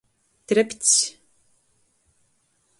Trepcs.